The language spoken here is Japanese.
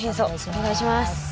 お願いします。